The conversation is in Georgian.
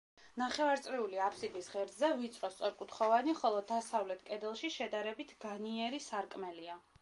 ნახევარწიული აფსიდის ღერძზე ვიწრო სწორკუთხოვანი, ხოლო დასავლეთ კედელში შედარებით განიერი სარკმელია.